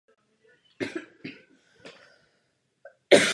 Nedaleko města prochází rozhraní mezi Evropou a Asií.